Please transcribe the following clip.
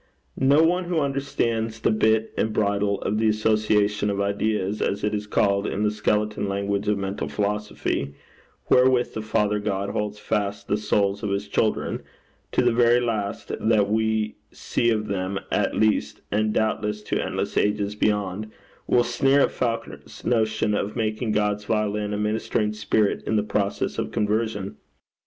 No one who understands the bit and bridle of the association of ideas, as it is called in the skeleton language of mental philosophy, wherewith the Father God holds fast the souls of his children to the very last that we see of them, at least, and doubtless to endless ages beyond will sneer at Falconer's notion of making God's violin a ministering spirit in the process of conversion.